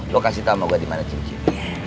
lo kasih tau sama gue di mana cincin